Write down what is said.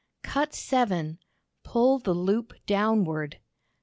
Cut 7 Pull the loop downward.